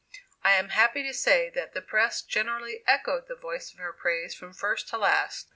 I am happy to say that the press generally echoed the voice of her praise from first to last.